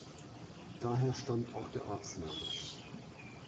Daher stammt auch der Ortsname.